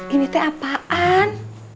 ini teh apaan